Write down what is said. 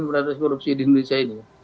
pemberantas korupsi di indonesia ini